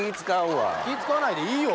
気使わないでいいよ！